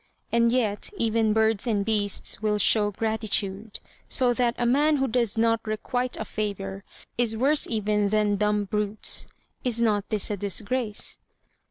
And yet even birds and beasts will show gratitude; so that a man who does not requite a favour is worse even than dumb brutes. Is not this a disgrace?